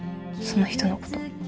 その人のこと。